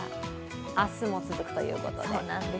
明日も続くということで。